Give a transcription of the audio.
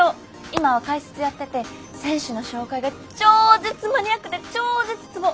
今は解説やってて選手の紹介が超絶マニアックで超絶ツボ！